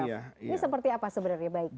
ini seperti apa sebenarnya baiknya